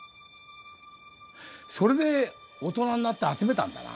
それで大人になって集めたんだな。